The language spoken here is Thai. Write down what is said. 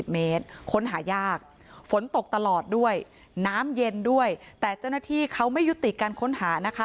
เมตรค้นหายากฝนตกตลอดด้วยน้ำเย็นด้วยแต่เจ้าหน้าที่เขาไม่ยุติการค้นหานะคะ